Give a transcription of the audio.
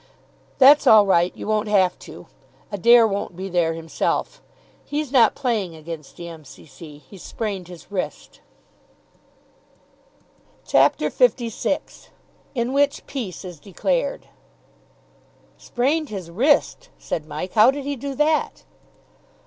"That's all right. You won't have to. Adair won't be there himself. He's not playing against the M.C.C. He's sprained his wrist." CHAPTER LVI IN WHICH PEACE IS DECLARED "Sprained his wrist?" said Mike. "How did he do that?"